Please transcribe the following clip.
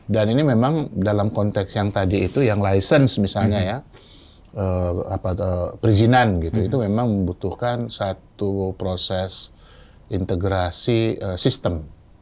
ini memang dalam konteks yang tadi itu yang license misalnya ya perizinan gitu itu memang membutuhkan satu proses integrasi sistem